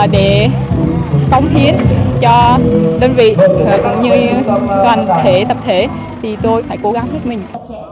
để phóng thiến cho đơn vị cũng như toàn thể tập thể thì tôi phải cố gắng hết mình